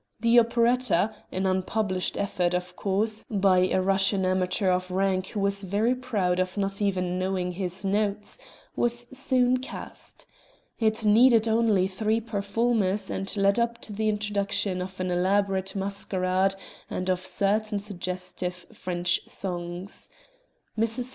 The operetta an unpublished effort of course by a Russian amateur of rank who was very proud of not even knowing his notes, was soon cast. It needed only three performers and led up to the introduction of an elaborate masquerade and of certain suggestive French songs. Mrs.